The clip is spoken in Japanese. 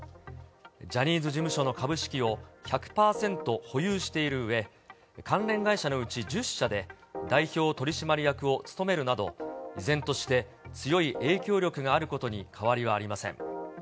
ジャニーズ事務所の株式を１００％保有しているうえ、関連会社のうち１０社で、代表取締役を務めるなど、依然として強い影響力があることに変わりはありません。